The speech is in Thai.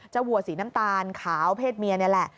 วัวสีน้ำตาลขาวเพศเมียนี่แหละ